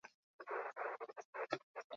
Azken urtetan Leonardoren zirkuluari egotzi zaio.